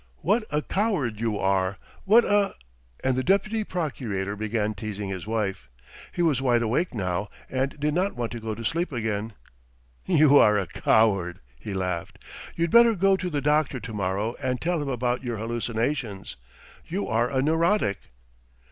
What a coward you are! What a ...." And the deputy procurator began teasing his wife. He was wide awake now and did not want to go to sleep again. "You are a coward!" he laughed. "You'd better go to the doctor to morrow and tell him about your hallucinations. You are a neurotic!"